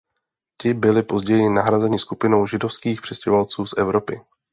Ti byli později nahrazeni skupinou židovských přistěhovalců z Evropy.